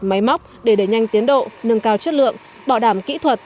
máy móc để đẩy nhanh tiến độ nâng cao chất lượng bảo đảm kỹ thuật